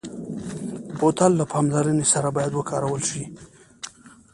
بوتل له پاملرنې سره باید وکارول شي.